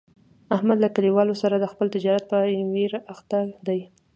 احمد له کلیوالو سره د خپل تجارت په ویر اخته دی.